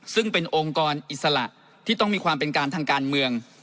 ซึ่งเป็นองค์กรอิสระที่ต้องมีความเป็นการทางการเมือง